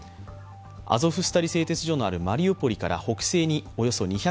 アゾフスタリ製鉄所のあるマリウポリから北西に２００ｋｍ。